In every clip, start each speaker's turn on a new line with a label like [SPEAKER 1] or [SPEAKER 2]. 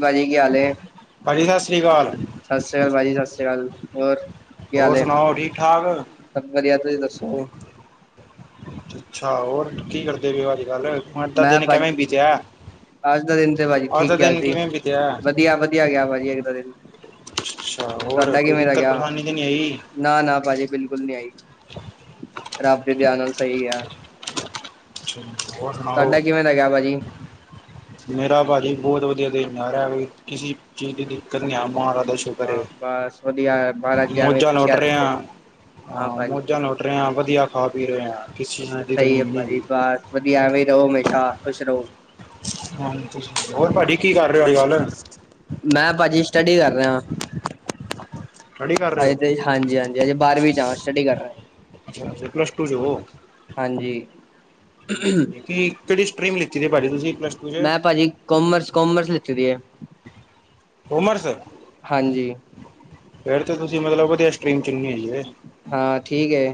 [SPEAKER 1] ਭਾਜੀ ਕੀ ਹਾਲ ਐ?
[SPEAKER 2] ਭਾਜੀ ਸਤਿ ਸ੍ਰੀ ਅਕਾਲ
[SPEAKER 1] ਸਤਿ ਸ਼੍ਰੀ ਅਕਾਲ ਭਾਜੀ ਸਤਿ ਸ਼੍ਰੀ ਅਕਾਲ ਹੋਰ? ਕੀ ਹਾਲ
[SPEAKER 2] ਹੋਰ
[SPEAKER 1] ਏ?
[SPEAKER 2] ਸਣਾਓ ਠੀਕ- ਠਾਕ?
[SPEAKER 1] ਸਭ ਵਧੀਆ ਤੁਸੀਂ ਦੱਸੋ?
[SPEAKER 2] ਅੱਛਾ ਹੋਰ, ਕੀ ਕਰਦੇ ਪਏ ਓ ਅੱਜ-ਕਲ੍ਹ ਅੱਜ ਦਾ
[SPEAKER 1] ਮੈਂ
[SPEAKER 2] ਦਿਨ ਕੈਵੇਂ
[SPEAKER 1] ਭਾਜੀ
[SPEAKER 2] ਬੀਤਿਆ?
[SPEAKER 1] ਅੱਜ ਦਾ ਦਿਨ ਤੇ ਭਾਜੀ
[SPEAKER 2] ਅੱਜ ਦਾ
[SPEAKER 1] ਠੀਕ ਗਿਆ
[SPEAKER 2] ਦਿਨ
[SPEAKER 1] ਸੀ
[SPEAKER 2] ਕਿਵੇਂ ਬੀਤਿਆ
[SPEAKER 1] ਵਧੀਆ-ਵਧੀਆ ਗਿਆ ਭਾਜੀ ਅੱਜ ਦਾ ਦਿਨ।
[SPEAKER 2] ਅੱਛਾ ਹੋਰ ਕੋਈ ਦਿੱਕਤ ਪਰੇਸ਼ਾਨੀ ਤੇ ਨਈ ਆਈ?
[SPEAKER 1] ਨਾ, ਨਾ ਭਾਜੀ ਬਿਲਕੁਲ ਨਹੀਂ ਆਈ, ਰੱਬ ਦੀ ਦਯਾ ਨਾਲ ਸਹੀ ਆ।
[SPEAKER 2] ਹੋਰ ਸਣਾਓ?
[SPEAKER 1] ਤੁਹਾਡਾ ਕਿਵੇਂ ਦਾ ਗਿਆ ਭਾਜੀ?
[SPEAKER 2] ਮੇਰਾ ਭਿਜੀ ਬਹੁਤ ਵਧੀਆ ਦਿਨ ਜਾ ਰਿਹਾ ਵੇ ਕਿਸੀ ਚੀਜ਼ ਦੀ ਦਿੱਕਤ ਨੀ ਹੈ ਮਹਾਰਜ ਜ ਸੁਕਰ ਏ,
[SPEAKER 1] ਵਾਹ ਬਸ ਵਧੀਆ ਮਹਾਰਾਜ ਜੀ ਐਵੇਂ
[SPEAKER 2] ਮੌਜਾਂ ਲੁੱਟ
[SPEAKER 1] ਖੁਸ਼ੀਆਂ
[SPEAKER 2] ਰਹੇ ਆ,
[SPEAKER 1] ਰੱਖੇ ਹਾਂ
[SPEAKER 2] ਆ
[SPEAKER 1] ਭਾਜੀ।
[SPEAKER 2] ਮੌਜਾਂ ਲੁਟ ਲੂਟ ਰਹੇ ਆ ਵਧੀਆ ਖਾ-ਪੀ ਰਹੇ ਆ।
[SPEAKER 1] ਹਾਂ ਸਹੀ ਐ ਭਾਜੀ ਬਾਸ ਵਧੀਆ ਐਵੇ ਰਹੋ ਹਮੇਸ਼ਾ, ਖੁਸ਼ ਰਹੋ।
[SPEAKER 2] ਹਾਂਜੀ ਹੋਰ ਭਾਜੀ ਕੀ ਕਰ ਰਹੇ ਹੋ ਅੱਜ-ਕੱਲ?
[SPEAKER 1] ਮੈਂ ਭਾਜੀ ਸਟੱਡੀ ਕਰ ਰਿਹਾ।
[SPEAKER 2] ਸਟੱਡੀ ਕਰ ਰਹੇ
[SPEAKER 1] ਹਜੇ
[SPEAKER 2] ਹੋ
[SPEAKER 1] ਤੇ, ਹਾਂਜੀ-ਹਾਂਜੀ ਹਜੇ ਬਾਰਵੀਂ ਚ ਆ ਸਟੱਡੀ ਕਰ ਰਿਹਾ।
[SPEAKER 2] ਅੱਛਾ, ਅੱਛਾ ਪਲੱਸ ਟੂ ਚ ਹੋਵੋ।
[SPEAKER 1] ਹਾਂਜੀ।
[SPEAKER 2] ਕਿ ਕਿਹੜੀ ਸਟਰੀਮ ਲਿੱਤੀ ਜੇ ਭਾਜੀ ਤੁਸੀ ਪਲਸ
[SPEAKER 1] ਮੈਂ ਭਾਜੀ ਜੀ ਕੋਮਰਸ-ਕੋਮਰਸ ਲਿੱਤੀ ਵੀ ਹੈ।
[SPEAKER 2] ਕੋਮਰਸ।
[SPEAKER 1] ਹਾਂਜੀ।
[SPEAKER 2] ਫੇਰ ਤਾਂ ਤੁਸੀਂ ਮਤਲਬ ਵਧੀਆ ਸਟਰੀਮ ਚੁਣੀ ਹੋਈ ਏ।
[SPEAKER 1] ਹਾਂ ਠੀਕ ਐ,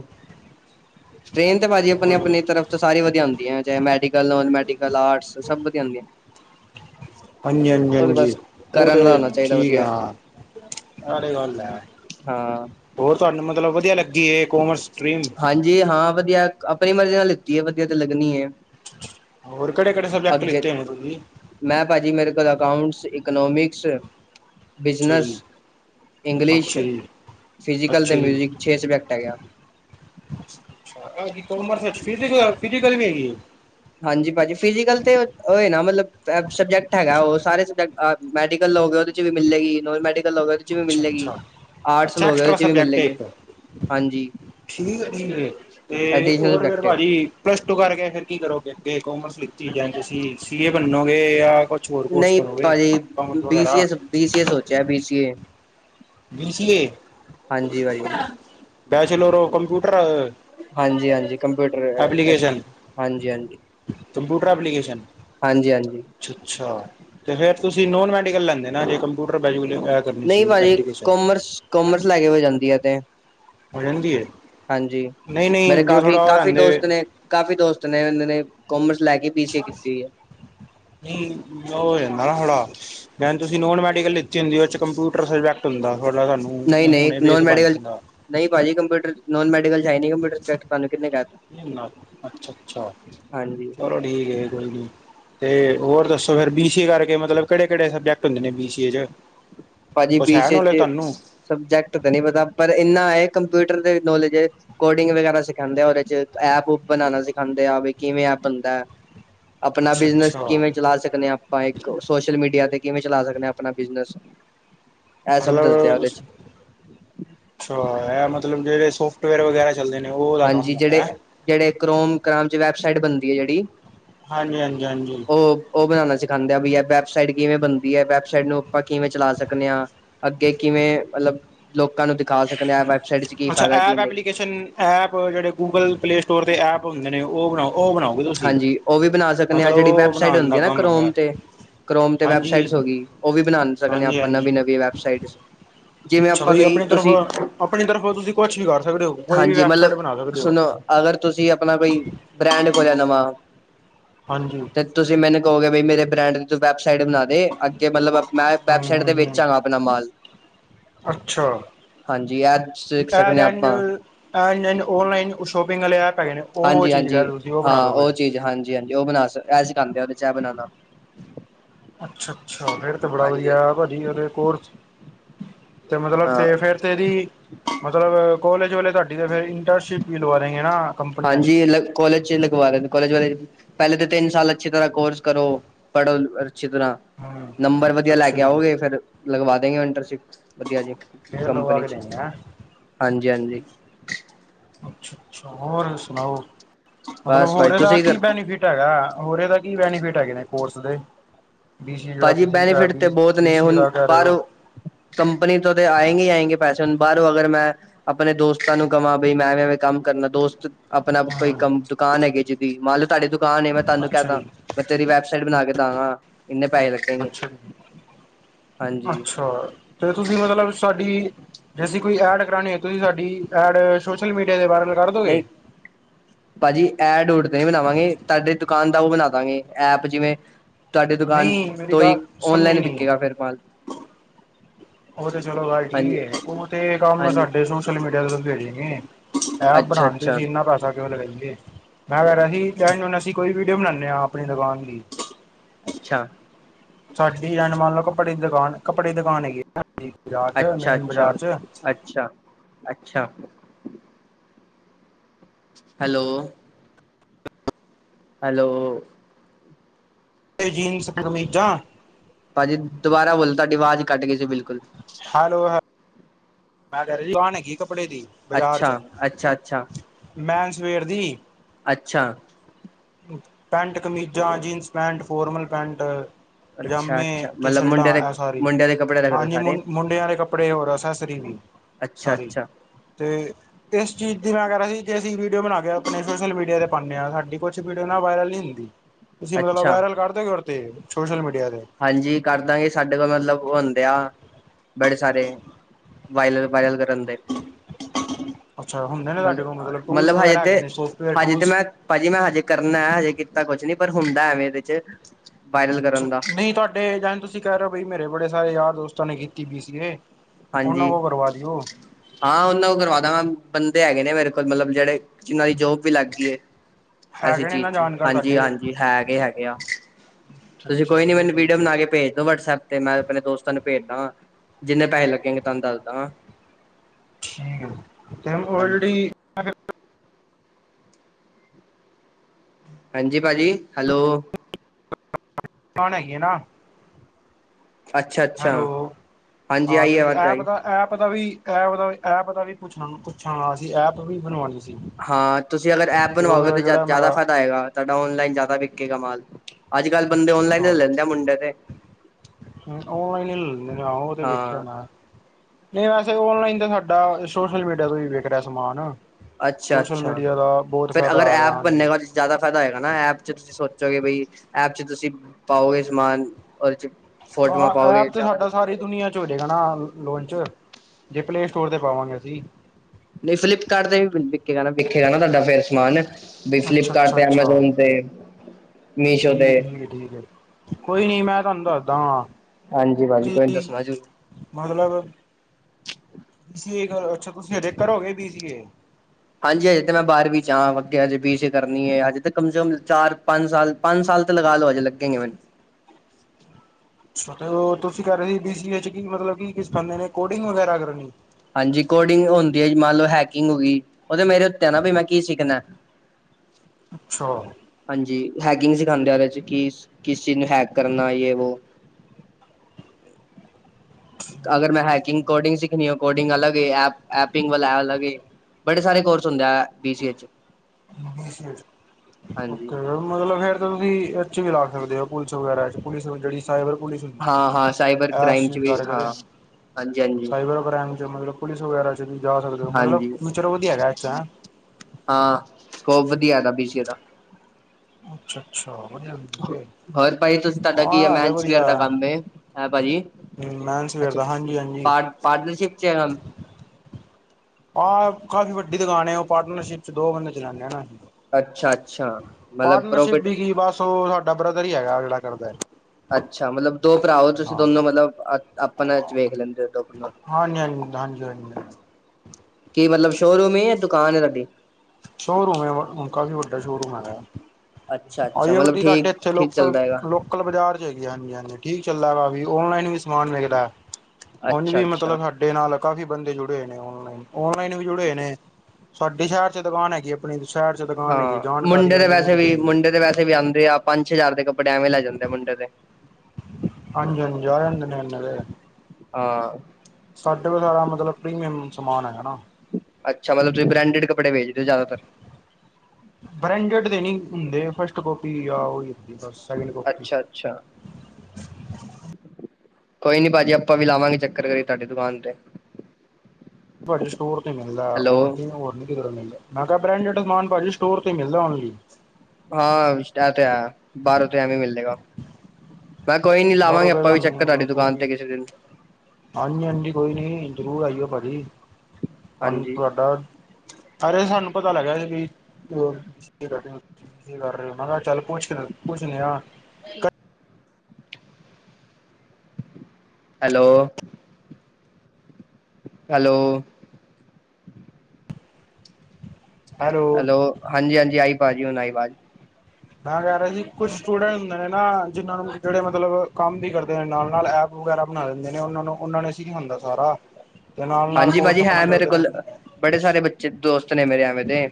[SPEAKER 1] ਸਟਰਿਮ ਤੇ ਭਾਜੀ ਆਪਣੀ-
[SPEAKER 2] ਹੋਰ ਹਾਂਜੀ
[SPEAKER 1] ਆਪਣੀ ਤਰਫ ਚ ਸਾਰੀ ਵਧੀਆ ਹੁੰਦੀ ਐ ਚਾਹੇ ਮੈਡੀਕਲ ਨੋਨ ਮੈਡੀਕਲ ਆਰਟਸ, ਸਭ ਵਧੀਆ ਹੁੰਦੀ ਐ।
[SPEAKER 2] ਹਾਂਜੀ, ਹਾਂਜੀ, ਹਾਂਜੀ
[SPEAKER 1] ਬਸ
[SPEAKER 2] ਉਹਤੇ
[SPEAKER 1] ਕਰਨ ਵਾਲਾ ਹੋਣਾ ਚਾਹੀਦਾ
[SPEAKER 2] ਠੀਕ
[SPEAKER 1] ਵਧੀਆ
[SPEAKER 2] ਆ। [unintelligible] ਗੱਲ ਐ
[SPEAKER 1] ਹਾਂ
[SPEAKER 2] ਹੋਰ ਤੁਹਾਨੂੰ ਮਤਲਬ ਵਧੀਆ ਲੱਗੀ ਐ ਕੋਮਰਸ ਸਟਰਿਮ
[SPEAKER 1] ਜੀ ਹਾਂ ਵਧੀਆ, ਆਪਣੀ ਮਰਜ਼ੀ ਨਾਲ ਲਿੱਤੀ ਐ ਵਧੀਆ ਤੇ ਲੱਗਨੀ ਐ।
[SPEAKER 2] ਹੋਰ ਕੇਹੜੇ- ਕੇਹੜੇ ਸਬਜੈਕਟ ਲਿਤੇ ਐ ਤੁਸੀ?
[SPEAKER 1] ਮੈਂ ਭਾਜੀ ਮੇਰੇ ਕੋਲ ਅਕਾਊਟਸ, ਇਕਨੋਮਿਕਸ
[SPEAKER 2] ਅੱਛਾ
[SPEAKER 1] ਬਿਜ਼ਨਸ,
[SPEAKER 2] ਜੀ
[SPEAKER 1] ਇੰਗਲਿਸ਼,
[SPEAKER 2] ਅੱਛਾ ਜੀ
[SPEAKER 1] ਫਿਜ਼ੀਕਲ ਤੇ
[SPEAKER 2] ਅੱਛਾ ਜੀ
[SPEAKER 1] ਮਿਊਜ਼ਿਕ ਛੇ ਸਬਜੈਕਟ ਹੈਗਾ ਆ
[SPEAKER 2] ਅੱਛਾ ਕਮਰਸ ਵਿਚ ਫਿਜ਼ੀਕਲ, ਫਿਜੀਕਲ ਵੀ ਹੈਗੀ
[SPEAKER 1] ਹਾਂਜੀ ਭਾਜੀ ਫਿਜੀਕਲ ਤੇ ਉਹ ਐ ਨਾ ਮਤਲਬ ਸਬਜੈਕਟ ਹੈਗਾ ਉਹ ਸਾਰੇ ਸਬਜੈਕਟ ਅ ਮੈਡੀਕਲ ਲਓਗੇ ਉਹਦੇ ਚ ਵੀ ਮਿਲਜੇਗੀ, ਨੋਨ ਮੈਡੀਕ ਕਲ ਲਓਗੇ ਉਦੇ ਚ ਵੀ
[SPEAKER 2] ਅੱਛਾ
[SPEAKER 1] ਮਿਲਜੇਗੀ
[SPEAKER 2] ਅੱਛਾ
[SPEAKER 1] ਆਰਟਸ
[SPEAKER 2] ਅੱਛਾ
[SPEAKER 1] ਲੋਗੇ ਉਦੇ
[SPEAKER 2] ਐਕਸਟਰਾ
[SPEAKER 1] ਚ ਵੀ
[SPEAKER 2] ਸਬਜੈਕਟ ਏ
[SPEAKER 1] ਮਿਲੇਗੀ
[SPEAKER 2] ਇੱਕ
[SPEAKER 1] ਹਾਂਜੀ
[SPEAKER 2] ਠੀਕ ਐ, ਠੀਕ ਐ, ਤੇ
[SPEAKER 1] ਐਡੀਸ਼ਨਲ
[SPEAKER 2] ਔਰ ਫੇਰ
[SPEAKER 1] ਸਬਜੈਕਟ ਏ
[SPEAKER 2] ਭਾਜੀ ਪਲਸ ਟੂ ਕਰਕੇ ਫੇਰ ਕੀ ਕਰੋਗੇ ਅੱਗੇ ਕੋਮਰਸ ਲਿੱਤੀ ਜੇ ਤੁਸੀਂ ਸੀ ਏ ਬਨੋਗੇ ਜਾਂ ਕੁ
[SPEAKER 1] ਨਹੀਂ ਭਾਜੀ ਬੀ ਸੀ ਏ, ਬੀ ਸੀ ਏ ਸੋਚਿਆ B C A
[SPEAKER 2] B C A
[SPEAKER 1] ਹਾਂਜੀ ਭਾਜੀ
[SPEAKER 2] ਬੈਚਲਰ ਆਫ ਕੰਪਿਊਟਰ
[SPEAKER 1] ਹਾਂਜੀ-ਹਾਂਜੀ ਕੰਪਿਊਟਰ ਐ
[SPEAKER 2] ਐਪਲੀਕੇਸ਼ਨ
[SPEAKER 1] ਹਾਂਜੀ-ਹਾਂਜੀ
[SPEAKER 2] ਕੰਪਿਊਟਰ ਐਪਲੀਕੇਸ਼ਨ
[SPEAKER 1] ਹਾਂਜੀ-ਹਾਂਜੀ
[SPEAKER 2] ਅੱਛਾ-ਅੱਛਾ ਤੇ ਫੇਰ ਤੁਸੀਂ ਨੋਨ ਮੈਡੀਕਲ ਲੈਂਦੇ ਨਾ ਕੰਪਿਊਟਰ ਬੈਚਲਰ ਐ ਕਰਨੀ ਸੀ ਐਪਲੀਕੇਸਨ
[SPEAKER 1] ਕੋਮਰਸ-ਕੋਮਰਸ ਲੈ ਕੇ ਹੋ ਜਾਂਦੀ ਐ ਐਹ ਤੇ
[SPEAKER 2] ਹੋ ਜਾਂਦੀ ਐ
[SPEAKER 1] ਹਾਂਜੀ ਮੇਰੇ ਕਾਫ਼ੀ-ਕਾਫ਼ੀ
[SPEAKER 2] ਰਹਿੰਦੇ
[SPEAKER 1] ਦੋਸਤ ਨੇ ਕਾਫ਼ੀ ਦੋਸਤ ਨੇ ਉਹਨਾਂ ਨੇ ਕੋਮਰਸ ਲੈ ਕੇ ਬੀ ਸੀ ਏ ਕੀਤੀ ਹੋਈ ਹੈ
[SPEAKER 2] ਨਹੀਂ ਹੋ ਜਾਂਦਾ [unintelligible] ਭੈਣ ਤੁਸੀਂ ਨੋਨ ਮੈਡੀਕਲ ਲਿੱਤੀ ਹੁੰਦੀਂ ਉਹ ਚ, ਕੰਪਿਊਟਰ ਸਬਜੈ ਹੁੰਦਾ ਥੋੜਾਂ ਸਾਂਨੂੰ
[SPEAKER 1] ਨਹੀਂ ਨਹੀਂ
[SPEAKER 2] ਹੁਣੇ ਬੇਸ
[SPEAKER 1] ਨੋਨ
[SPEAKER 2] ਬਣ
[SPEAKER 1] ਮੈਡੀਕਲ
[SPEAKER 2] ਜਾਂਦਾਂ।
[SPEAKER 1] ਨਹੀਂ ਭਾਜੀ ਕੰਪਿਊਟਰ ਨੋਨ ਮੈਡੀਕਲ ਚ ਹੈ ਨੀਂ ਕੰਪਿਊਟਰ ਸਬਜੈਕਟ ਤੁਹਾਂਨੂੰ ਕਿੰਨੇਂ ਕਹਿਤਾ।
[SPEAKER 2] ਅੱਛਾ -ਅੱਛਾ
[SPEAKER 1] ਹਾਂਜੀ
[SPEAKER 2] ਚਲੋਂ ਠੀਕ ਐ ਕੋਈ ਨੀਂ। ਤੇ ਹੋਰ ਦੱਸੋ ਫੇਰ ਬੀ ਸੀ ਏ ਕਰਕੇ ਮਤਲਬ ਕਿਹੜੇ -ਕਿਹੜੇ ਸਬਜੈਕਟ ਹੁੰਦੇ ਨੇ ਬੀ ਸੀ ਏ ਚ
[SPEAKER 1] ਭਾਜੀ
[SPEAKER 2] ਕੁਛ
[SPEAKER 1] ਬੀ
[SPEAKER 2] ਹੈ
[SPEAKER 1] ਸੀ ਏ
[SPEAKER 2] ਨੌਲੇਜ
[SPEAKER 1] ਚ,
[SPEAKER 2] ਤੁਹਾਨੂੰ
[SPEAKER 1] ਸਬਜੈਕਟ ਤੇ ਨੀ ਪਤਾ, ਪਰ ਏਨਾਂ ਏਂ, ਕੰਪਿਊਟਰ ਦੇ ਨੌਲੇਜ ਕੋਡਿੰਗ ਵਗ਼ੈਰਾ। ਸਿਖਾਉਂਦੇ ਆ ਉਹਦੇ ਚੋ, ਐਪ ਉਪ ਬਣਾਣਾ ਸਿਖਾਂਦੇ ਆ ਵੀ ਕਿਵੇਂ ਐਪ ਬਣਦਾ। ਆਪਣਾਂ
[SPEAKER 2] ਅੱਛਾ
[SPEAKER 1] ਬਿਜਨਸ
[SPEAKER 2] ਅੱਛਾ
[SPEAKER 1] ਕਿਵੇਂ ਚਲਾ ਸਕਦੇ ਆ। ਮਾਈਕ ਸੋਸ਼ਲ ਮੀਡੀਆ ਤੇ, ਕਿਵੇਂ ਚਲਾ ਸਕਦੇ ਆ ਆਪਣਾ ਬਿਜ਼ਨਸ।
[SPEAKER 2] ਮਤਲਬ, ਅੱਛਾ ਐ ਮਤਲਬ ਜਿਹੜੇ ਸੋਫਟਵੇਅਰ ਵਗ਼ੈਰਾ। ਚੱਲਦੇ ਨੇਂ ਉਹ
[SPEAKER 1] ਹਾਂਜੀ ਜਿਹੜੇ- ਜਿਹੜੇ ਕ੍ਰੋਮ ਕ੍ਰਾਮ ਚ ਵੈਬਸਾਈਟ ਬਣਦੀ ਐ ਜਿਹੜੀ
[SPEAKER 2] ਹਾਂਜੀ -ਹਾਂਜੀ -ਹਾਂਜੀ।
[SPEAKER 1] ਉਹ- ਓ ਬਣਾਣਾ ਸਿਖਾਂਦੇ ਆ ਵੈਬਸਾਇਟ ਕਿਵੇਂ ਬਣਦੀ ਐ, ਵੈਬਸਾਇਟ ਨੂੰ ਆਪਾਂ ਕਿਵੇਂ ਚਲਾ ਸਕਨੇ ਆ। ਅੱਗੇ ਕਿਵੇਂ ਮਤਲਬ ਲੋਕਾਂ ਨੂੰ ਦਿਖਾ ਸਕਨੇ ਆ ਵੈਬਸਾਈਟਾਂ ਚ, ਕੀ
[SPEAKER 2] ਅੱਛਾ
[SPEAKER 1] ਫਾਇਦਾ ਕੀ
[SPEAKER 2] ਐਪ
[SPEAKER 1] ਨਹੀਂ।
[SPEAKER 2] ਐਪਲੀਕੇਸ਼ਨ ਐਪ ਜਿਹੜੇ ਗੂਗਲ ਪਲੇਅ ਸਟੋਰ ਦੇ ਐਪ ਹੁੰਦੇ ਨੇ ਉਹ ਬਣਾਓ। ਉਹ ਬਣਾਓਗੇ ਤੁਸੀਂ
[SPEAKER 1] ਹਾਂਜੀ ਉਹ ਵੀ ਬਣਾ ਸਕਨੇ ਆ,
[SPEAKER 2] ਮਤਲਬ
[SPEAKER 1] ਜਿਹੜੀ
[SPEAKER 2] ਉਹ
[SPEAKER 1] ਵੈਬਸਾਇਟ
[SPEAKER 2] ਬਣਾਉਣ ਦਾ
[SPEAKER 1] ਹੁੰਦੀਂ ਆ ਨਾ
[SPEAKER 2] ਕੰਮ
[SPEAKER 1] ਕ੍ਰੋਮ
[SPEAKER 2] ਹੈਗਾ
[SPEAKER 1] ਤੇ ਕੋਮ ਤੇ
[SPEAKER 2] ਹਾਂਜੀ
[SPEAKER 1] ਵੈਬਸਾਇਟਸ ਹੋਗੀ ਉਹ ਵੀ ਬਣਾ ਸਕਨੇ ਆ
[SPEAKER 2] ਹਾਂਜੀ
[SPEAKER 1] ਆਪਾਂ
[SPEAKER 2] ਹਾਂਜੀ
[SPEAKER 1] ਨਵੀਂ-ਨਵੀਂ ਵੈਬਸਾਈਟਸ। ਜਿਵੇਂ
[SPEAKER 2] ਅੱਛਾ
[SPEAKER 1] ਆਪਾਂ
[SPEAKER 2] ਬਈ
[SPEAKER 1] ਗਈ
[SPEAKER 2] ਆਪਣੀ
[SPEAKER 1] ਤੁਸੀਂ
[SPEAKER 2] ਤਰਫ ਆਪਣੀ ਤਰਫੋਂ ਤੁਸੀਂ ਕੁੱਛ ਵੀ ਕਰ ਸਕਦੇ ਔ।
[SPEAKER 1] ਹਾਂਜੀ ਮਤਲਬ ਸੁਣੋ ਅਗਰ ਤੁਸੀਂ ਆਪਣਾ ਕੋਈ ਬ੍ਰੈਂਡ ਖੋਲ੍ਹਿਆ ਨਵਾਂ
[SPEAKER 2] ਹਾਂਜੀ।
[SPEAKER 1] ਤੇ ਤੁਸੀਂ ਮੈਨੂੰ ਕਹੋਗੇ, ਵੀ ਮੇਰੇ ਬ੍ਰੈਂਡ ਦੀ ਵੈਬਸਾਇਟ ਬਣਾਂ ਦੇ, ਅੱਗੇ ਮਤਲਬ ਮੈਂ
[SPEAKER 2] ਹੂੰ
[SPEAKER 1] ਵੈਬਸਾਈਟਾਂ
[SPEAKER 2] ਹੂੰ
[SPEAKER 1] ਤੇ
[SPEAKER 2] ਹੂੰ
[SPEAKER 1] ਵਿੱਚ ਹੈਗਾ। ਆਪਣਾਂ ਮਾਲ,
[SPEAKER 2] ਅੱਛਾ
[SPEAKER 1] ਹਾਂਜੀ ਐਹ ਦੇਖ ਸਕਦੇ ਆ ਆਪਾਂ
[SPEAKER 2] ਐਂਜ -ਐਂਜ ਔਨਲਾਈਨ ਸ਼ੋਪਿੰਗ ਵਾਲੇ ਐਪ ਹੈਗੇ ਨੇ। ਉਹ
[SPEAKER 1] ਹਾਂਜੀ-
[SPEAKER 2] ਚੀਜ਼
[SPEAKER 1] ਹਾਂਜੀ
[SPEAKER 2] ਕਹਿ ਰਹੇ ਤੁਸੀਂ
[SPEAKER 1] ਹਾਂ
[SPEAKER 2] ਬਣਾ ਦੋਗੇ
[SPEAKER 1] ਉਹ ਚੀਜ਼ ਹਾਂਜੀ। ਹਾਂਜੀ ਜ਼ੋ ਬਣਾਂ, ਐਜ ਕਰਦੇ ਆ ਉਹਦੇ ਚ ਐਹ ਬਣਾਣਾ।
[SPEAKER 2] ਅੱਛਾ- ਅੱਛਾ ਫੇਰ ਤੇ ਬੜਾ
[SPEAKER 1] ਹਾਂਜੀ-ਹਾਂਜੀ
[SPEAKER 2] ਵਧੀਆਂ ਭਾਜੀ ਇਹਦੇ ਕੋਰਸ। ਤੇ ਮਤਲਬ
[SPEAKER 1] ਹਾਂ
[SPEAKER 2] ਫੇਰ- ਫੇਰ ਤੇ ਏਦੀ ਮਤਲਬ ਕਾਲੇਜ ਵਾਲ਼ੇ ਤੁਹਾਡੀ ਤੇ ਫਿਰ ਇੰਟਰਸ਼ਿਪ ਲਵਾ ਦੇਗੇ ਨਾ ਕੰਪਨੀਆਂ ਵਿਚ।
[SPEAKER 1] ਕਾਲੇਜ ਚ ਲਗਵਾ ਰੇ ਨੇ ਕਾਲੇਜ ਵਾਲ਼ੇ। ਪਹਿਲੇ ਤੇ ਤਿੰਨ ਸਾਲ ਅੱਛੀ ਤਰ੍ਹਾਂ ਕੋਰਸ ਕਰੋ, ਪੜ੍ਹੋ ਅੱਛੀ ਤਰ੍ਹਾਂ
[SPEAKER 2] ਹੂੰ
[SPEAKER 1] ਨੰਬਰ ਵਧੀਆਂ ਲੈ
[SPEAKER 2] ਅੱਛਾ
[SPEAKER 1] ਕੇ
[SPEAKER 2] ਜੀ
[SPEAKER 1] ਆਓਗੇ ਫੇਰ ਲਗਵਾ ਦੇਣਗੇ ਇੰਟਰਨਸ਼ਿਪ ਵਧੀਆਂ ਜੀ
[SPEAKER 2] ਫੇਰ ਲਵਾ
[SPEAKER 1] ਕੰਪਨੀ
[SPEAKER 2] ਕੇ
[SPEAKER 1] ਚ
[SPEAKER 2] ਦੇਣੀ ਹੈ
[SPEAKER 1] ਹਾਂਜੀ- ਹਾਂਜੀ।
[SPEAKER 2] ਅੱਛਾ- ਅੱਛਾ ਹੋਰ ਸੁਣਾਓ ਮਤਲਬ
[SPEAKER 1] ਬਸ
[SPEAKER 2] ਹੋਰ
[SPEAKER 1] ਭਾਜੀ
[SPEAKER 2] ਇਹਦਾ
[SPEAKER 1] ਤੁਸੀਂ
[SPEAKER 2] ਕੀ
[SPEAKER 1] ਕਰ
[SPEAKER 2] ਬੈਨੀਫਿਟ ਹੈਗਾ ਹੋਰ ਇਹਦਾ ਕੀ ਬੈਨੀਫਿਟ ਹੈਗੇ ਨੇ ਕੋਰਸ ਦੇ ਬੀ ਸੀ ਦਾ
[SPEAKER 1] ਭਾਜੀ
[SPEAKER 2] ਤੁਸੀਂ ਐਹ
[SPEAKER 1] ਬੈਨੀਫਿਟ
[SPEAKER 2] ਬੀ ਸੀ ਦਾ ਕਹਿ ਰਹੇ ਔ।
[SPEAKER 1] ਕੰਪਨੀ ਤੋਂ ਤੇ ਆਏਂਗੇ ਹੀ ਆਏਂਗੇ ਪੈਸੇ, ਹੁਣ ਬਾਹਰੋਂ ਅਗਰ ਮੈਂ ਆਪਣੇ ਦੋਸਤਾਂ ਨੂੰ ਕਵਾਂ ਬਈ ਮੈਂ ਵੀ ਐਵੇਂ- ਐਵੇਂ ਕੰਮ ਕਰਨਾਂ ਦੋਸਤ ਆਪਣਾ ਕੋਈ
[SPEAKER 2] ਹੂੰ
[SPEAKER 1] ਕੰਮ ਦੁਕਾਨ ਹੈਗੀ ਜਿਦੀ, ਮੰਨ ਲਓ ਤੁਹਾਡੀ ਦੁਕਾਨ ਮੈਂ ਤੁਹਾਨੂੰ ਕਹਿ
[SPEAKER 2] ਅੱਛਾ
[SPEAKER 1] ਦਾਂ
[SPEAKER 2] ਜੀ
[SPEAKER 1] ਮੈਂ ਤੇਰੀ ਵੈਬਸਾਇਟ ਬਣਾ ਕੇ ਦਵਾਂਗਾ, ਏਨੇ ਪੈਸੇ ਲ
[SPEAKER 2] ਅੱਛਾ ਜੀ ਅੱਛਾ ਤੇ ਤੁਸੀਂ ਮਤਲਬ ਸਾਡੀ ਜੇ ਅਸੀਂ ਕੋਈ ਐਡ ਕਰਾਉਣੀ ਐ, ਤੁਸੀਂ ਸਾਡੀ ਐਡ ਸੋਸ਼ਲ ਮੀਡੀਆ ਤੇ ਵਾਇਰਲ ਕਰ ਦੋਗੇ
[SPEAKER 1] ਨਹੀਂ। ਭਾਜੀ ਐਡ ਉੱਡ ਤੇ ਬਣਾਵਾਂਗੇ ਤੁਹਾਡੇ ਦੁਕਾਨ ਦਾ ਉਹ ਬਣਾ ਦਾਂਗੇ ਐਪ ਜਿਵੇਂ ਤੁਹਾਡੇ ਦੁਕਾਨ
[SPEAKER 2] ਨਹੀਂ ਮੇਰੀ
[SPEAKER 1] ਤੋਂ ਈ
[SPEAKER 2] ਗੱਲ ਸਮਝੀ
[SPEAKER 1] ਔਨਲਾਈਨ
[SPEAKER 2] ਨਹੀਂ
[SPEAKER 1] ਵਿਕੇਗਾ ਫੇਰ ਮਾਲ
[SPEAKER 2] ਉਹ ਤੇ ਚਲੋ ਗੱਲ ਠੀਕ
[SPEAKER 1] ਹਾਂਜੀ
[SPEAKER 2] ਏ ਉਹ ਤੇ ਇਹ ਕੰਮ
[SPEAKER 1] ਹਾਂਜੀ
[SPEAKER 2] ਸਾਡੇ ਸੋਸ਼ਲ ਮੀਡੀਆ ਤੇ ਹੋ ਜੇਗੇਨੇ। ਐਪ
[SPEAKER 1] ਅੱਛਾ
[SPEAKER 2] ਬਣਾਂਣ ਚ
[SPEAKER 1] ਅੱਛਾ
[SPEAKER 2] ਅਸੀ ਇਨਾ ਪੈਸਾ ਕਿਉਂ ਲਗਾਈ ਏ। ਮੈਂ ਕਹਿ ਰਿਹਾ ਸੀ ਕੀ ਹੁਣ ਅਸੀਂ ਕੋਈ ਵੀਡੀਓ ਬਣਾਉਂਦੇ ਹਾਂ ਆਪਣੀ ਦੁਕਾਨ ਦੀ
[SPEAKER 1] ਅੱਛਾ।
[SPEAKER 2] ਸਾਡੀ ਐਂਜ ਮੰਨ ਲੋ ਕੱਪੜੇ ਦੀ ਦੁਕਾਨ ਕੱਪੜੇ ਦੀ ਦੁਕਾਨ ਹੈਗੀ ਆ ਬਾਜ਼ਾਰ ਚ
[SPEAKER 1] ਅੱਛਾ
[SPEAKER 2] ਮੇਨ
[SPEAKER 1] ਅੱਛਾ
[SPEAKER 2] ਬਾਜ਼ਾਰ ਚ
[SPEAKER 1] ਅੱਛਾ, ਅੱਛਾ। ਹੈਲੋ, ਹੈਲੋ,
[SPEAKER 2] ਏ ਜੀਨਸ ਅਪਣ ਕਮੀਜ਼ਾਂ
[SPEAKER 1] ਭਾਜੀ ਦੁਬਾਰਾ ਬੋਲ ਤੁਹਾਡੀ ਆਵਾਜ਼ ਕੱਟ ਗਈ ਸੀ ਬਿਲਕੁਲ।
[SPEAKER 2] ਹੈਲੋ ਹੈ- ਮੈਂ ਕਿਹਾ ਰਿਹਾ ਸੀ ਦੁਕਾਨ ਹੈਗੀ ਕੱਪੜੇ ਦੀ ਬਜ਼ਾਰ
[SPEAKER 1] ਅੱਛਾ,
[SPEAKER 2] ਚ,
[SPEAKER 1] ਅੱਛਾ, ਅੱਛਾ,
[SPEAKER 2] ਮੈਨਸ ਵੀਅਰ ਦੀ।
[SPEAKER 1] ਅੱਛਾ।
[SPEAKER 2] ਪੈਂਟ ਕਮੀਜ਼ਾਂ, ਜੀਨਸ ਪੈਂਟ, ਫੋਰਮਲ ਪੈਂਟ,
[SPEAKER 1] ਅੱਛਾ,
[SPEAKER 2] ਪਜਾਮੇ,
[SPEAKER 1] ਅੱਛਾ
[SPEAKER 2] ਟੀ
[SPEAKER 1] ਮਤਲਬ ਮੁੰਡਿਆਂ ਦੇ
[SPEAKER 2] ਸ਼ਰਟਾਂ ਇਹ ਸਾਰੀ
[SPEAKER 1] ਮੁੰਡਿਆਂ ਦੇ ਕੱਪੜੇ ਰੱਖਦੇ ਹੋ
[SPEAKER 2] ਹਾਂਜੀ
[SPEAKER 1] ਸਾਰੇ
[SPEAKER 2] ਮੁੰਡਿਆਂ ਦੇ ਕੱਪੜੇ ਹੋਰ ਅਸੈਸਰੀ ਵੀ
[SPEAKER 1] ਅੱਛਾ,
[SPEAKER 2] ਸਾਰੀ,
[SPEAKER 1] ਅੱਛਾ।
[SPEAKER 2] ਤੇ ਤੇ ਇਸ ਚੀਜ਼ ਦੀ ਮੈਂ ਕਹਿ ਰਿਹਾ ਸੀ ਜੇ ਅਸੀਂ ਵੀਡੀਓ ਬਣਾ ਕੇ ਆਪਣੇ ਸੋਸ਼ਲ ਮੀਡੀਆ ਤੇ ਪਾਂਨੇ ਆ ਸਾਡੀ ਕੁਛ ਵੀਡੀਓ ਨਾ ਵਾਇਰਲ ਨੀ ਹੁੰ- ਤੁਸੀਂ ਮਤਲਬ
[SPEAKER 1] ਅੱਛਾ,
[SPEAKER 2] ਵਾਇਰਲ ਕਰ ਦੋਗੇ ਉਦੇ ਤੇ ਸੋਸ਼ਲ ਮੀਡੀਆ ਤੇ।
[SPEAKER 1] ਹਾਂਜੀ ਕਰਦਾਂਗੇ ਸਾਡੇ ਕੋਲ ਮਤਲਬ ਉਹ ਹੁੰਦੇ ਆ, ਬੜੇ ਸਾਰੇ ਵਾਇਰਲ- ਵਾਇਰਲ ਕਰ ਕਰਨ ਦੇ
[SPEAKER 2] ਅੱਛਾ ਹੁੰਦੇ ਨੇ ਤੁਹਾਡੇ ਕੋਲ ਟੂਲਸ
[SPEAKER 1] ਮਤਲਬ ਹਜੇ
[SPEAKER 2] ਵਗੈਰਾ ਹੈਗੇ
[SPEAKER 1] ਤੇ-
[SPEAKER 2] ਨੇ ਸੋਫਟਵੇਅਰ
[SPEAKER 1] ਹਜੇ ਤੇ
[SPEAKER 2] ਟੂਲਸ
[SPEAKER 1] ਮੈਂ ਭਾਜੀ ਮੈਂ ਹਜੇ ਕਰਨਾ ਏ ਹਜੇ ਕੀਤਾ ਕੁਛ ਨੀ ਪਰ ਹੁੰਦਾ ਐਵੇਂ ਇਹਦੇ ਵਿਚ
[SPEAKER 2] ਨਹੀਂ ਤੁਹਾਡੇ ਜਾ ਤੁਸੀਂ ਕਹਿ ਰਹੇ ਹੋ ਬਈ ਮੇਰੇ ਬੜੇ ਸਾਰੇ ਯਾਰ ਦੋਸਤਾਂ ਨੇ ਕੀਤੀ, ਬੀ ਸੀ ਏ।
[SPEAKER 1] ਹਾਂਜੀ।
[SPEAKER 2] ਉਹਨਾਂ ਕੋਲ ਕਰਵਾ ਦਿਓ
[SPEAKER 1] ਹਾਂ ਉਹਨਾਂ ਕੋਲੋ ਕਰਵਾ ਦਾਂਗਾ ਬੰਦੇ ਹੈਗੇ ਨੇ ਮੇਰੇ ਕੋਲ ਮਤਲਬ ਜਿਹੜੇ ਜਿਨਾਂ ਦੀ ਜੋਬ ਵੀ ਲੱਗ ਗਈ ਐ। ਐਸੀ
[SPEAKER 2] ਹੈਗੇ ਨੇ
[SPEAKER 1] ਚੀਜ਼
[SPEAKER 2] ਨਾ
[SPEAKER 1] ਚ,
[SPEAKER 2] ਜਾਣਕਾਰ
[SPEAKER 1] ਹਾਂਜੀ-
[SPEAKER 2] ਤੁਹਾਡੇ
[SPEAKER 1] ਹਾਂਜੀ ਹੈਗੇ- ਹੈਗੇ ਆ।
[SPEAKER 2] ਅੱਛਾ
[SPEAKER 1] ਤੁਸੀਂ
[SPEAKER 2] ਅੱਛਾ
[SPEAKER 1] ਕੋਈ ਨੀ
[SPEAKER 2] ਫੇਰ
[SPEAKER 1] ਮੈਨੂੰ ਵੀਡੀਓ
[SPEAKER 2] ਠੀਕ ਹੈ
[SPEAKER 1] ਬਣਾ ਕੇ ਭੇਜ ਦਿਓ ਵਟਸਐਪ ਤੇ ਮੈਂ ਆਪਣੇ ਦੋਸਤਾਂ ਨੂੰ ਭੇਜ ਦਾਂਗਾ ਜਿੰਨੇ ਪੈਹੇ ਲੱਗੇਂਗੇ ਤਹਨੂੰ ਦੱਸ ਦਾਂਗਾ।
[SPEAKER 2] ਠੀਕ ਐ, ਤੇ
[SPEAKER 1] ਹਾਂਜੀ
[SPEAKER 2] ਔਲਰੇਡੀ
[SPEAKER 1] ਹਾਂਜੀ ਭਾਜੀ, ਹੈਲੋ
[SPEAKER 2] ਕੌਣ ਹੈਗੀ ਐ ਨਾ।
[SPEAKER 1] ਅੱਛਾ ਅੱਛਾ
[SPEAKER 2] ਹੈਲੋ
[SPEAKER 1] ਹਾਂਜੀ
[SPEAKER 2] ਹਾਂ
[SPEAKER 1] ਆਈ
[SPEAKER 2] ਤੁਸੀ
[SPEAKER 1] ਆਵਾਜ਼
[SPEAKER 2] ਐਪ
[SPEAKER 1] ਆਈ
[SPEAKER 2] ਦਾ ਐਪ ਦਾ ਵੀ, ਐਪ ਦਾ ਐਪ ਦਾ ਵੀ, ਪੁੱਛਾਂ ਪੁੱਛਾਂਗਾ ਅਸੀਂ ਐਪ ਵੀ ਬਣਵਾਣੀ
[SPEAKER 1] ਹਾਂ ਤੁਸੀਂ ਅਗਰ ਐਪ ਬਣਵਾਓਗੇ ਤਾਂ
[SPEAKER 2] ਜਿਹੜਾ
[SPEAKER 1] ਜਾਦਾ
[SPEAKER 2] ਮੇਰਾ
[SPEAKER 1] ਫਾਇਦਾ ਹੋਏਗਾ ਤੁਹਾਡਾ ਔਨਲਾਈਨ ਜ਼ਿਆਦਾ ਵਿਕੇੇਗਾ ਮਾਲ। ਅੱਜ ਕੱਲ ਬੰਦੇ ਔਨਲਾਈਨ ਲੈ ਲੈਂਦੇ ਆ ਮੁੰਡੇ ਤੇ।
[SPEAKER 2] ਹੂੰ, ਓਨਲਾਈਨ ਈ ਲੇ ਲੈਂਨੇ, ਆ ਉਹ ਤੇ ਵੇਖਿਆ
[SPEAKER 1] ਹਾਂ
[SPEAKER 2] ਮੈ। ਨਹੀਂ ਵੈਸੇ ਓਨਲਾਈਨ ਤਾਂ ਸਾਡਾ, ਸੋਸ਼ਲ ਮੀਡੀਆ ਤੋਂ ਵੀ ਵਿਕ ਰਿਹਾ ਸਮਾਨ।
[SPEAKER 1] ਅੱਛਾ-
[SPEAKER 2] ਸੋਸ਼ਲ
[SPEAKER 1] ਅੱਛਾ,
[SPEAKER 2] ਮੀਡੀਆ ਦਾ ਬਹੁਤ
[SPEAKER 1] ਫੇਰ
[SPEAKER 2] ਫਾਇਦਾ
[SPEAKER 1] ਅਗਰ
[SPEAKER 2] ਆ ਰਿਹਾ
[SPEAKER 1] ਐਪ ਬਣਨੇ
[SPEAKER 2] ਹਾਂਜੀ
[SPEAKER 1] ਬਾਦ, ਜਾਦਾ ਫਾਇਦਾ ਹੋਏਗਾ ਨਾ, ਐਪ 'ਚ, ਤੁਸੀਂ ਸੋਚੋਗੇ ਬਈ ਐਪ 'ਚ ਤੁਸੀਂ ਤਾਂ ਉਹੀ ਸਮਾਨ ਉ ਚ, ਫੋਟੋਆਂ
[SPEAKER 2] ਹਾਂ
[SPEAKER 1] ਪਾਓਗੇ
[SPEAKER 2] ਐਪ ਤੇ
[SPEAKER 1] ਜ਼ਿਆਦਾ
[SPEAKER 2] ਸਾਡਾ
[SPEAKER 1] ਵਿਕੇਗਾ
[SPEAKER 2] ਸਾਰੀ
[SPEAKER 1] ਉਹਦੇ
[SPEAKER 2] ਦੁਨੀਆਂ ਚ ਹੋਜੇਗਾ ਨਾ। ਲੋਨਚ, ਜੇ ਪਲੇ ਸਟੋਰ ਤੇ ਪਾਵਾਂਗੇ ਅਸੀਂ।
[SPEAKER 1] ਨਹੀਂ ਫਲਿੱਪਕਾਰਟ ਤੇ ਵੀ ਵਿਕੇਗਾ ਨਾ -ਵਿਕੇਗਾ ਨਾ ਤੁਹਾਡਾ ਫੇਰ ਸਮਾਨ। ਬਈ
[SPEAKER 2] ਅੱਛਾ
[SPEAKER 1] ਫਲੀਪਕਾਰਟ
[SPEAKER 2] ਅੱਛਾ
[SPEAKER 1] ਤੇ,
[SPEAKER 2] ਅੱਛਾ
[SPEAKER 1] ਐਮਾਜ਼ੋਨ ਤੇ, ਮੀਸ਼ੋ ਤੇ।
[SPEAKER 2] ਨਈ ਠੀਕ ਹੈ। ਕੋਈ ਨੀ ਮੈਂ ਤੁਆਨੂੰ ਦੱਸਦਾ ਵਾਂ।
[SPEAKER 1] ਹਾਂਜੀ ਭਾਜੀ ਕੋਈ ਨੀ ਦੱਸਣਾ ਜ਼ੁ
[SPEAKER 2] ਮਤਲਬ, ਬੀ ਸੀ ਏ ਕਰ ਅੱਛਾ ਤੁਸੀਂ ਹਜੇ ਕਰੋਗੇ ਬੀ ਸੀ ਏ?
[SPEAKER 1] ਹਾਂਜੀ ਅਜੇ ਤੇ ਮੈਂ ਬਾਰਵੀ ਚ ਆਂ, ਅੱਗੇ ਹਜੇ ਬੀ ਸੀ ਏ ਕਰਨੀ ਏ, ਹਜੇ ਤੇ ਕਮ ਸੇ ਕਮ ਚਾਰ ਪੰਜ ਸਾਲ ਪੰਜ ਸਾਲ ਤੇ ਲਗਾ ਲਓ ਅਜੇ ਲੱਗੇਗੇ ਮੈਨੂੰ।
[SPEAKER 2] ਛ ਤੇ ਓਹ ਤੁਸੀ ਕੇਹ ਰਏ ਸੀ ਬੀ ਸੀ ਏ ਚ ਕੀ ਮਤਲਬ ਕੀ-ਕੀ ਸਿੱਖਾਂਦੇ ਨੇ ਕੋਡਿੰਗ ਵਗੈਰਾ ਕਰਨੀ?
[SPEAKER 1] ਹਾਂਜੀ ਕੋਡਿੰਗ ਹੁੰਦੀ ਏ, ਮੰਨ ਲਓ ਹੈਕਿੰਗ ਹੋ ਗਈ, ਉਹ ਦੇ ਮੇਰੇ ਉੱਤੇ ਆ ਨਾ, ਬੀ ਮੈਂ ਕੀ ਸਿੱਖਣਾ ਏ?
[SPEAKER 2] ਅੱਛਾ।
[SPEAKER 1] ਹਾਂਜੀ, ਹੈਕਿੰਗ ਸਿਖਾਂਦੇ ਆ ਉਹਦੇ ਚ ਕਿਸ, ਕਿਸ ਚੀਜ਼ ਨੂੰ ਹੈਕ ਕਰਨਾ ਯੇ ਵੋ। ਅਗਰ ਮੈਂ ਹੈਕਿੰਗ ਕੋਡਿੰਗ ਸਿੱਖਣੀ, ਓਹ ਕੋਡਿੰਗ ਅਲਗ ਏ, ਐਪ ਐਪਿੰਗ ਵਾਲਾ ਐ ਅਲਗ ਏ। ਬੜੇ ਸਾਰੇ ਕੋਰਸ ਹੁੰਦਾ ਐ ਬੀ ਸੀ ਏ ਚ।
[SPEAKER 2] ਹੂੰ-ਹੂੰ ਕੇ,
[SPEAKER 1] ਹਾਂਜੀ
[SPEAKER 2] ਓਕੇ। ਮਤਲਬ ਫੇਰ ਤੇ ਤੁਸੀਂ ਏਹ ਚ ਵੀ ਲਗ ਸਕਦੇ ਹੋ, ਪੁਲਿਸ ਵਗੈਰਾ ਚ। ਪੁਲਿਸ ਓਹ ਜੇਹੜੀ ਸਾਈਬਰ ਪੁਲਿਸ ਹੁੰਦੀ,
[SPEAKER 1] ਹਾਂ ਹਾਂ ਸਾਈਬਰ ਕ੍ਰਾਈਮ
[SPEAKER 2] ਐਸ਼
[SPEAKER 1] ਚ ਵੀ
[SPEAKER 2] ਜਿਗਾਰੇ
[SPEAKER 1] ਹਾਂ
[SPEAKER 2] ਤੇਰੇ।
[SPEAKER 1] ਹਾਂਜੀ ਹਾਂਜੀ
[SPEAKER 2] ਸਾਈਬਰ ਕਰੈਮ ਚ ਮਤਲਬ ਪੁਲਿਸ ਵਗੈਰਾ ਚ ਵੀ ਜਾ ਸਕਦੇ ਹੋ, ਮਤਲਬ ਫਿਊਚਰ ਵਧੀਆ ਹੈਗਾ ਏਹਦੇ ਚ ਹੈਂ?
[SPEAKER 1] ਆਂ ਸਕੋਪ ਵਧੀਆ ਹੈਗਾ ਬੀ ਸੀ ਏ ਦਾ।
[SPEAKER 2] ਅੱਛਾ-ਅੱਛਾ ਵਧੀਆ ਰੂਲ ਏ,
[SPEAKER 1] ਹੋਰ ਭਾਜੀ ਤੁਸੀਂ ਤੁਹਾਡਾ ਕੀ ਹੈ
[SPEAKER 2] ਹਾਂ ਐ ਤੇ ਵਧੀਆ
[SPEAKER 1] ਮੈਨਸਵੀਅਰ ਦਾ ਕੰਮ ਏ ਹੈਂ ਭਾਜੀ
[SPEAKER 2] ਏ। ਮੈਂ ਵੀ ਸਵੇਰ
[SPEAKER 1] ਅੱਛਾ
[SPEAKER 2] ਦਾ, ਹਾਂਜੀ-ਹਾਂਜੀ।
[SPEAKER 1] ਪਾਰਟ ਪਾਰਟਨਰਸ਼ਿਪ ਚ ਹੈ ਕੰਮ
[SPEAKER 2] ਆਂ ਕਾਫ਼ੀ ਵੱਡੀ ਦੁਕਾਨ ਏ, ਉਹ ਪਾਰਟਨਰਸ਼ਿਪ ਚ ਦੋ ਬੰਦੇ ਚਲਾਨੇ ਆ ਨਾ ਅ
[SPEAKER 1] ਅੱਛਾ-ਅੱਛਾ।
[SPEAKER 2] ਪਾਰਟਨਰਸ਼ਿਪ ਵੀ ਕੀ, ਬਾਸ ਓਹ ਸਾਡਾ ਬ੍ਰਦਰ ਈ ਹੈਗਾ ਅਗਲਾ ਕਰਦਾ ਹੈ।
[SPEAKER 1] ਅੱਛਾ ਮਤਲਬ ਦੋ ਭਰਾ ਔ ਤੁਸੀਂ ਦੋਨੋ ਮਤਲਬ ਅ ਆਪਣੇ ਚ ਵੇਖ ਲੈਂਦੇ ਹੋ ਡੋਕੁਮੇ
[SPEAKER 2] [unintelligible] ਹਾਂਜੀ-ਹਾਜੀ-ਹਾਂਜੀ।
[SPEAKER 1] ਕੀ ਮਤਲਬ ਸ਼ੋਅਰੂਮ ਏ ਯਾ ਦੁਕਾਨ ਏ ਤੁਹਾਡੀ?
[SPEAKER 2] ਸ਼ੋਅਰੂਮ ਏ ਹੁਣ, ਹੁਣ ਕਾਫੀ ਵੱਡਾ ਸ਼ੋਰੂਮ ਹੈਗਾ ਏ।
[SPEAKER 1] ਅੱਛਾ ਅੱਛਾ ਮਤਲਬ
[SPEAKER 2] ਆਯੁਰਵੇਦੀ ਤੁਆਡੇ
[SPEAKER 1] ਠੀਕ
[SPEAKER 2] ਏਥੇ
[SPEAKER 1] ਠੀਕ
[SPEAKER 2] ਲੋਕਲ
[SPEAKER 1] ਚੱਲਦਾ ਹੈਗਾ
[SPEAKER 2] ਕਲ ਬਾਜ਼ਾਰ ਚ ਹੈਗੀ, ਹਾਂਜੀ-ਹਾਂਜੀ ਠੀਕ ਚੱਲਦਾ ਕਾਫੀ, ਓਨਲਾਈਨ ਵੀ ਸਮਾਨ ਵਿਕਦਾ ਏ। ਉਂਝ
[SPEAKER 1] ਅੱਛਾ
[SPEAKER 2] ਵੀ
[SPEAKER 1] ਅੱਛਾ
[SPEAKER 2] ਮਤਲਬ ਸਾਡੇ ਨਾਲ ਕਾਫੀ ਬੰਦੇ ਜੁੜੇ ਹੋਏ ਨੇ ਓਨਲਾਈਨ, ਓਨਲਾਈਨ ਵੀ ਜੁੜੇ ਹੋਏ ਨੇ। ਸਾਡੇ ਸ਼ੇਹਰ ਚ ਦੁਕਾਨ ਹੈਗੀ ਅਪਣੇ ਸ਼ੇਹਰ ਚ ਤ
[SPEAKER 1] ਹਾਂ, ਮੁੰਡੇ ਤੇ ਵੈਸੇ ਵੀ, ਮੁੰਡੇ ਦੇ ਵੈਸੇ ਵੀ ਆਂਦੇ ਆ। ਪੰਜ ਛੇ ਹਜ਼ਾਰ ਦੇ ਕੱਪੜੇ ਐਵੇਂ ਈ ਲੈ ਜਾਂਦੇ ਮੁੰਡੇ ਦੇ।
[SPEAKER 2] ਹਾਂਜੀ-ਹਾਂਜੀ, ਆ ਜਾਂਦੇ ਨੇ ਇੰਨੇ ਦੇ।
[SPEAKER 1] ਹਾਂ।
[SPEAKER 2] ਸਾਡੇ ਕੋਲ ਸਾਰਾ ਮਤਲਬ ਪ੍ਰੀਮੀਅਮ ਸਮਾਨ ਹੈਗਾ ਨਾ।
[SPEAKER 1] ਅੱਛਾ ਮਤਲਬ ਤੁਸੀਂ ਬਰੈਂਡਿਡ ਕੱਪੜੇ ਵੇਚਦੇ ਔ ਜਾਦਾਤਰ?
[SPEAKER 2] ਬਰੈਂਡਿਡ ਤੇ ਨੀ ਹੁੰਦੇ, ਫਸਟ ਕੋਪੀ ਯਾ ਓਹੀ ਹੁੰਦੀ ਬਸ ਸੈਕਿੰਡ ਕੋਪੀ।
[SPEAKER 1] ਅੱਛਾ ਅੱਛਾ। ਕੋਈ ਨੀ ਭਾਜੀ ਅਪਾਂ ਵੀ ਲਾਵਾਂਗੇ ਚੱਕਰ ਕਦੀ ਤਾਡੀ ਦੁਕਾਨ ਤੇ।
[SPEAKER 2] ਤੁਹਾਡੇ ਸਟੋਰ ਤੇ ਮਿਲਦਾ ਐ
[SPEAKER 1] ਹੈਲੋ
[SPEAKER 2] ਔਰ ਨੀ ਹੋਰ ਨੀ ਕਿਧਰੇ ਮਿਲਦਾ। ਮੈਂ ਕੇਆ ਬਰੈਂਡਿਡ ਸਮਾਨ ਭਾਜੀ ਸਟੋਰ ਤੋਂ ਈ ਮਿਲਦਾ ਓਨਲੀ।
[SPEAKER 1] ਹਾਂ ਐਹ ਤੇ ਐ, ਬਾਰੋਂ ਤੇ ਐਵੇਂ ਈ ਮਿਲੇਗਾ। ਮੈਂ ਕੋਈ ਨੀ ਲਾਵਾਂਗੇ
[SPEAKER 2] ਬਾਹਰੋਂ
[SPEAKER 1] ਆਪਾਂ ਵੀ ਚੱਕਰ ਤੁਹਾਡੀ ਦੁਕਾਨ ਤੇ ਕਿਸੇ ਦਿਨ
[SPEAKER 2] ਹਾਂਜੀ-ਹਾਂਜੀ ਕੋਈ ਨੀ ਜਰੂਰ ਆਈਓ ਭਾਜੀ ਤੁਾਨ
[SPEAKER 1] ਹਾਂਜੀ
[SPEAKER 2] ਤੁਹਾਡਾ ਅਰੇ ਸਾਨੂੰ ਪਤਾ ਲੱਗਿਆ ਹੀ। ਕੀ ਕਰ ਰਏ ਹੋ ਮੈਂ ਕਿਆ ਚੱਲ ਪੁੱਛ ਪੁੱਛਣੇ ਆਂ।
[SPEAKER 1] ਹੈਲੋ ਹੈਲੋ ਹੈਲੋ ਹਾਂਜੀ-ਹਾਂਜੀ ਆਈ ਭਾਜੀ ਹੁਣ ਆਈ ਵਾਜ਼
[SPEAKER 2] ਮੈਂ ਕੈ ਰਿਆ ਹੀ ਕੁਛ ਸਟੂਡੈਂਟ ਹੁੰਦੇ ਨੇ ਨਾ ਜਿਹਨਾਂ ਨੂੰ ਜੇੜੇ ਮਤਲਬ ਕੰਮ ਵੀ ਕਰਦੇ ਨੇ ਨਾਲ-ਨਾਲ ਐਪ ਵਗੈਰਾ ਬਣਾ ਲੈਂਦੇ ਨੇ ਉਨਾਂ ਨੂੰ ਉਨਾਂ ਨੇ ਸਿਖ ਨਾ ਹੁੰਦਾ ਸਾਰਾ ਤੇ ਨਾਲ-ਨਾਲ
[SPEAKER 1] ਹਾਂਜੀ
[SPEAKER 2] ਕੋਰਸ
[SPEAKER 1] ਭਾਜੀ
[SPEAKER 2] ਆਪਨਾ
[SPEAKER 1] ਹੈ ਮੇਰੇ
[SPEAKER 2] ਕਰਦੇ
[SPEAKER 1] ਕੋਲ
[SPEAKER 2] ਰੈਂਦੇ ਨੇ।
[SPEAKER 1] ਬੜੇ ਸਾਰੇ ਬੱਚੇ ਦੋਸਤ ਨੇ ਮੇਰੇ ਐਵੇਂ ਦੇ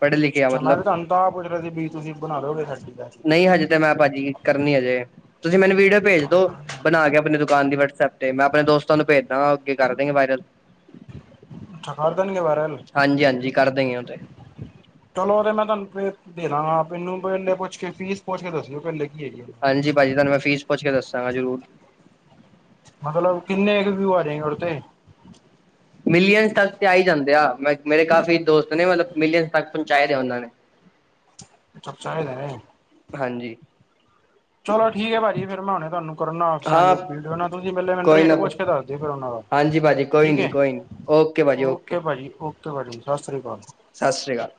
[SPEAKER 1] ਪੜ੍ਹੇ ਲਿਖੇ ਆ
[SPEAKER 2] ਅੱਛਾ ਮੈਂ
[SPEAKER 1] ਮਤਲਬ
[SPEAKER 2] ਤੁਹਾਨੂੰ ਤਾਂ ਆਪ ਪੁੱਛ ਰਿਹਾ ਸੀ ਵੀ ਤੁਸੀਂ ਬਣਾ ਦੋਗੇ ਸਾਡੀ
[SPEAKER 1] ਨਈ ਹਜੇ ਤੇ ਮੈਂ ਭਾਜੀ ਕਰਨੀ ਅਜੇ ਤੁਸੀਂ ਮੈਨੂੰ ਵੀਡੀਓ ਭੇਜ ਦੋ ਬਣਾ ਕੇ ਆਪਣੇ ਤੋ ਦੁਕਾਨ ਦੀ ਵਟਸਐਪ ਤੇ ਮੈਂ ਆਪਣੇ ਦੋਸਤਾਂ ਨੂੰ ਭੇਜਦਾਂਗਾ ਅੱਗੇ ਕਰ ਦਾਂਗੇ ਵਾਇਰਲ
[SPEAKER 2] ਕਰ ਦੇਣਗੇ ਵਾਇਰਲ
[SPEAKER 1] ਹਾਂਜੀ-ਹਾਂਜੀ ਕਰ ਦੇਂਗੇ ਓ ਤੇ
[SPEAKER 2] ਹਾਂਜੀ ਚਲੋ ਉਦੇ ਮੈਂ ਤੁਹਾਨੂੰ ਦੇ ਦਾਂਗਾਾਂ ਮੈਨੂੰ ਪੈਲੇ ਪੁੱਛ ਕੇ ਫੀਸ ਪੁੱਛ ਕੇ ਦੱਸਿਓ ਪੈਲੇ ਕੀ ਹੈਗੀ ਏ।
[SPEAKER 1] ਹਾਂਜੀ ਭਾਜੀ ਮੈਂ ਤੁਹਾਨੂੰ ਫੀਸ ਪੁੱਛ ਕੇ ਦੱਸਾਂਗਾ ਜ਼ਰੂਰ
[SPEAKER 2] ਮਤਲਬ ਕਿੰਨੇ ਕੁ ਵਿਊ ਆ ਜਾਏਗੇ ਉਦੇ ਤੇ
[SPEAKER 1] ਮਿਲੀਅਨਸ ਤੱਕ ਤੇ ਆਈ ਜਾਂਦੇ ਆ ਮੇਰੇ ਕਾਫੀ ਦੋਸਤ ਨੇ ਮਤਲਬ ਮਿਲੀਅਨ ਤੱਕ ਪਹੁੰਚਾਏ ਦੇ ਆ ਉਨਾਂ ਨੇ।
[SPEAKER 2] ਅੱਛਾ ਚਾਹੇ ਲੇਂ ਆਈ।
[SPEAKER 1] ਹਾਂਜੀ
[SPEAKER 2] ਚਲੋ ਠੀਕ ਭਾਜੀ ਫਿਰ ਮੈਂ ਹੁਣੇ ਤੁਹਾਨੂੰ ਕਰਨਾ ਸੈਂਡ
[SPEAKER 1] ਹਾਂ
[SPEAKER 2] ਵੀਡੀਓ ਨਾ ਤੁਸੀਂ ਪੈਲੇ ਮੈਨੂੰ
[SPEAKER 1] ਕੋਈ
[SPEAKER 2] ਰੇਟ
[SPEAKER 1] ਨਾ
[SPEAKER 2] ਪੁੱਛ ਕੇ ਦੱਸ ਦੇ ਫਿਰ ਉਨਾਂ ਦਾ
[SPEAKER 1] ਹਾਂਜੀ ਭਾਜੀ ਕੋਈ
[SPEAKER 2] ਠੀਕ
[SPEAKER 1] ਨੀ
[SPEAKER 2] ਹੈ।
[SPEAKER 1] ਕੋਈ ਨੀ ਓ
[SPEAKER 2] ਓਕੇ ਭਾਜੀ ਓਕੇ ਭਾਜੀ ਸਤਿ ਸ਼੍ਰੀ ਅਕਾਲ।
[SPEAKER 1] ਸਤਿ ਸ਼੍ਰੀ ਅਕਾਲ।